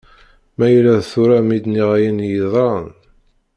Ma yella d tura mi d-nniɣ ayen iyi-yeḍran.